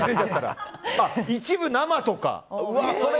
あっ、一部生とか。